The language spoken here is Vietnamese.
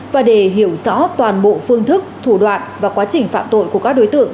và để hiểu rõ toàn bộ phương thức thủ đoạn và quá trình phạm tội của các đối tượng